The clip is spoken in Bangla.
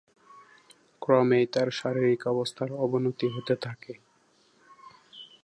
ক্রমেই তার শারীরিক অবস্থার অবনতি হতে থাকে।